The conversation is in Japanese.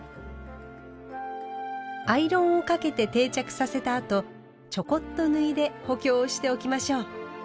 アイロンをかけて定着させたあとちょこっと縫いで補強をしておきましょう。